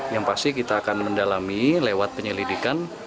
yang pasti kita akan mendalami lewat penyelidikan